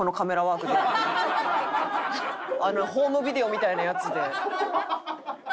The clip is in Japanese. あのホームビデオみたいなやつで。